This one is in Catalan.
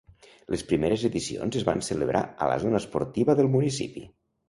Les primeres edicions es van celebrar a la zona esportiva del municipi.